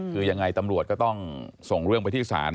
คือยังไงตำรวจก็ต้องส่งเรื่องไปที่ศาล